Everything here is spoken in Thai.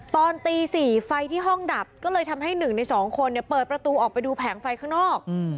ตอนตี๔ไฟที่ห้องดับก็เลยทำให้๑ใน๒คนเปิดประตูออกไปดูแผงไฟข้างนอก